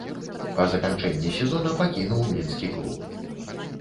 Па заканчэнні сезона пакінуў мінскі клуб.